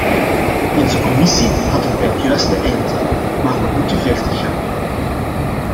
Onze commissie had het bij het juiste eind, maar we moeten verder gaan.